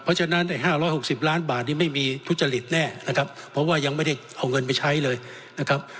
เพราะฉะนั้น๕๖๐ล้านบาทนี่ไม่มีทุจริตแน่นะครับเพราะว่ายังไม่ได้เอาเงินไปใช้เลยนะครับ